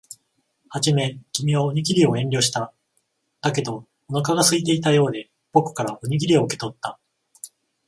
はじめ、君はおにぎりを遠慮した。だけど、お腹が空いていたようで、僕からおにぎりを受け取った。